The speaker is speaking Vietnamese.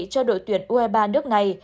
cho đội tuyển u hai mươi ba nước này